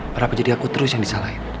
kenapa jadi aku terus yang disalahin